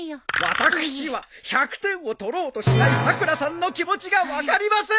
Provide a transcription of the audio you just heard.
私は１００点を取ろうとしないさくらさんの気持ちが分かりません。